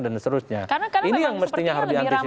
karena memang sepertinya lebih ramai itu ya